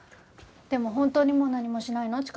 でも本当にもう何もしないの？